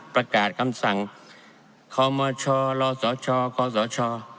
ประกาศคำสั่งขอมณชรสชขอสช